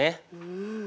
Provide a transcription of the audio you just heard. うん。